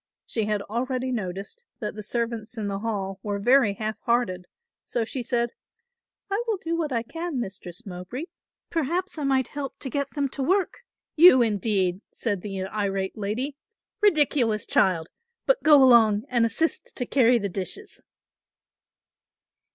She had already noticed that the servants in the hall were very half hearted, so she said, "I will do what I can, Mistress Mowbray, perhaps I might help to get them to work." "You, indeed," said the irate lady, "ridiculous child! but go along and assist to carry the dishes."